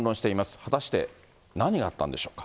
果たして何があったんでしょうか。